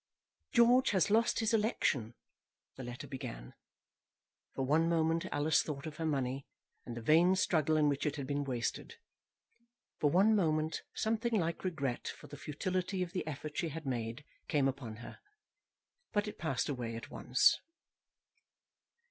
"George has lost his election," the letter began. For one moment Alice thought of her money, and the vain struggle in which it had been wasted. For one moment, something like regret for the futility of the effort she had made came upon her. But it passed away at once.